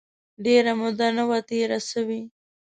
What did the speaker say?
ډېره موده نه وه تېره سوې.